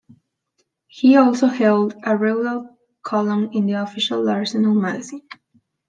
He also held a regular column in the official Arsenal magazine.